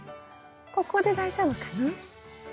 ここで大丈夫かな？